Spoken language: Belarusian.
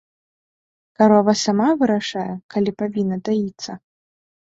Карова сама вырашае, калі павінна даіцца?